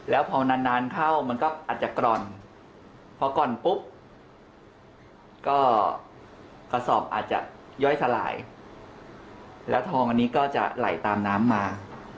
แล้วพอนานเข้ามันก็อาจจะกร่อนพอกร่อนปุ๊บก็กระสอบอาจจะย่อยสลายแล้วทองอันนี้ก็จะไหลตามน้ำมา